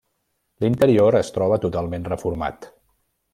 L'interior es troba totalment reformat.